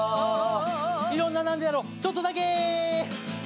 いろんな「なんでだろう」ちょっとだけ！